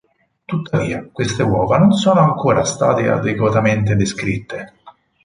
Tuttavia, queste uova non sono ancora state adeguatamente descritte.